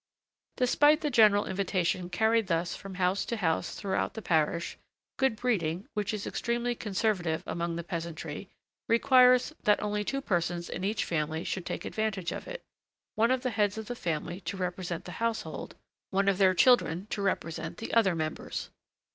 Despite the general invitation carried thus from house to house throughout the parish, good breeding, which is extremely conservative among the peasantry, requires that only two persons in each family should take advantage of it, one of the heads of the family to represent the household, one of their children to represent the other members.